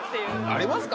ありますか？